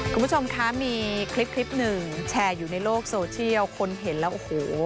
คุณผู้ชมคะมีคลิปคลิปหนึ่งแชร์อยู่ในโลกโซเชียลคนเห็นแล้วโอ้โห